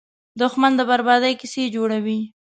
دښمن د بربادۍ کیسې جوړوي